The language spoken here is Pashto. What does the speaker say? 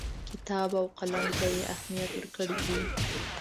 کتاب او قلم ته یې اهمیت ورکړی دی.